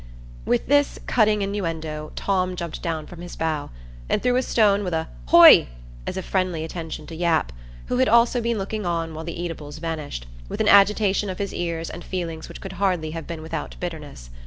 With this cutting innuendo, Tom jumped down from his bough, and threw a stone with a "hoigh!" as a friendly attention to Yap, who had also been looking on while the eatables vanished, with an agitation of his ears and feelings which could hardly have been without bitterness.